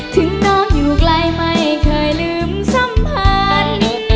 ถึงน้องอยู่ไกลไม่เคยลืมสัมพันธ์